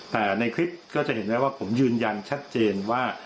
แต่ในคลิปก็จะเห็นได้ว่าผมยืนยันชัดเจนว่า